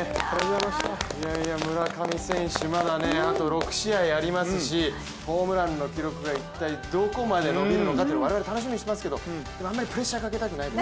村上選手、まだあと６試合ありますしホームランの記録が一体どこまで伸びるのか、我々、楽しみにしていますけどでもあんまりプレッシャーかけたくない。